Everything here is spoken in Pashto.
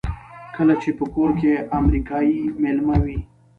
کله چې په کور کې امریکایی مېلمه وي.